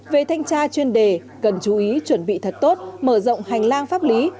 về thanh tra chuyên đề cần chú ý chuẩn bị thật tốt mở rộng hành lang pháp lý